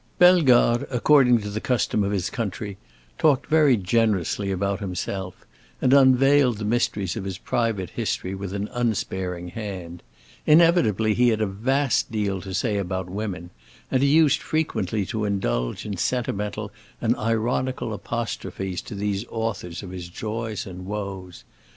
Bellegarde, according to the custom of his country talked very generously about himself, and unveiled the mysteries of his private history with an unsparing hand. Inevitably, he had a vast deal to say about women, and he used frequently to indulge in sentimental and ironical apostrophes to these authors of his joys and woes.